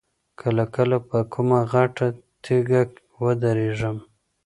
کله کله پر کومه غټه تیږه ودرېږم.